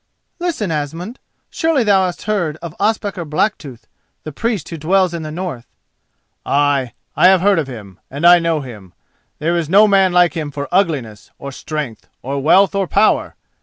"Listen, Asmund! Surely thou hast heard of Ospakar Blacktooth—the priest who dwells in the north?" "Ay, I have heard of him, and I know him; there is no man like him for ugliness, or strength, or wealth and power.